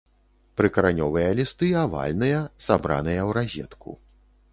Прыкаранёвыя лісты авальныя, сабраныя ў разетку.